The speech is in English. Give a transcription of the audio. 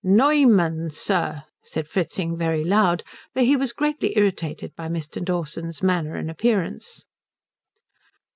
"_Neu_mann, sir," said Fritzing very loud, for he was greatly irritated by Mr. Dawson's manner and appearance.